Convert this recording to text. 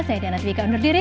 saya diana twika undur diri